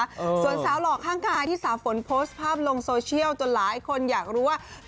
ส่วนสาวหล่อข้างกายที่สาวฝนโพสต์ภาพลงโซเชียลจนหลายคนอยากรู้ว่า